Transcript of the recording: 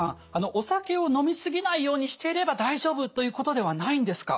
お酒を飲み過ぎないようにしていれば大丈夫ということではないんですか？